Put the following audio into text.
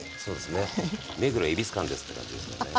目黒恵比寿間ですって感じですよね。